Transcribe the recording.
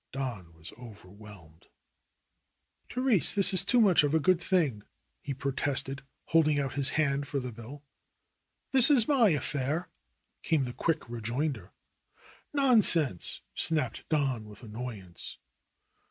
Don was overwhelmed. ^Therese, this is too much of a good thing," he pro tested, holding out his hand for the bill. ^This is my affair," came the quick rejoinder. '^Nonsense !" snapped Don with annoyance.